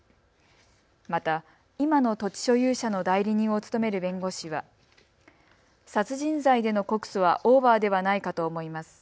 また、今の土地所有者の代理人を務める弁護士は殺人罪での告訴はオーバーではないかと思います。